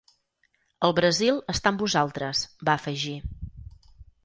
El Brasil està amb vosaltres, va afegir.